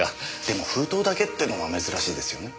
でも封筒だけってのは珍しいですよね？